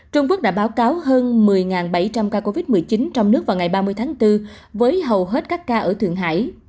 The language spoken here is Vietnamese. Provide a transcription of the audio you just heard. trung quốc đã báo cáo hơn một mươi bảy trăm linh ca covid một mươi chín trong nước vào ngày ba mươi tháng bốn với hầu hết các ca ở thượng hải